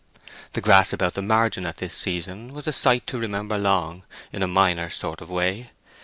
The grass about the margin at this season was a sight to remember long—in a minor sort of way.